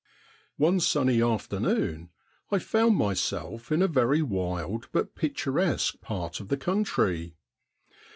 One sunny afternoon I found myself in a very wild but picturesque part of the country.